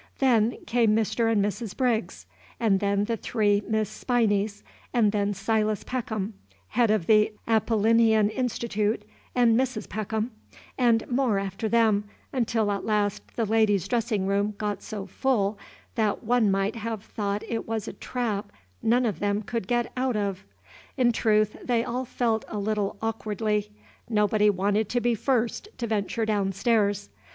Then came Mr. and Mrs. Briggs, and then the three Miss Spinneys, then Silas Peckham, Head of the Apollinean Institute, and Mrs. Peckham, and more after them, until at last the ladies' dressing room got so full that one might have thought it was a trap none of them could get out of. In truth, they all felt a little awkwardly. Nobody wanted to be first to venture down stairs.